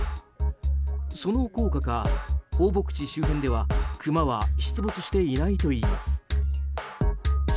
その効果か、放牧地周辺ではクマは出没していないといいます。